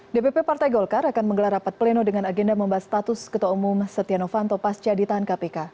dpp partai golkar akan menggelar rapat pleno dengan agenda membahas status ketua umum setia novanto pasca ditahan kpk